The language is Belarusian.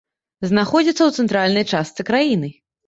Знаходзіцца ў цэнтральнай частцы краіны.